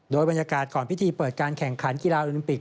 โดยบรรยากาศก่อนพิธีเปิดการแข่งขันกีฬาโอลิมปิก